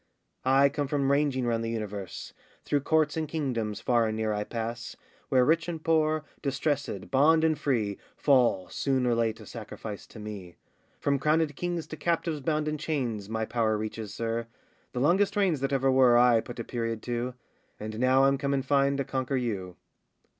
I come from ranging round the universe, Through courts and kingdoms far and near I pass, Where rich and poor, distressèd, bond and free, Fall soon or late a sacrifice to me. From crownèd kings to captives bound in chains My power reaches, sir; the longest reigns That ever were, I put a period to; And now I'm come in fine to conquer you.